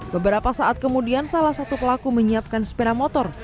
beberapa saat kemudian salah satu pelaku menyiapkan sepeda motor